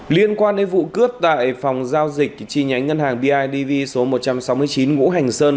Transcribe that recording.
liên quan đến vụ cướp tại phòng giao dịch chi nhánh ngân hàng bidv số một trăm sáu mươi chín ngũ hành sơn